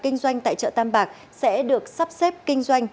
kinh doanh tại chợ tam bạc sẽ được sắp xếp kinh doanh